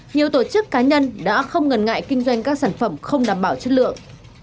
nhiều tổ chức cá nhân đã không ngần ngại kinh doanh các sản phẩm không đảm bảo chất lượng